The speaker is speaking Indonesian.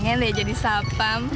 pengen deh jadi sapam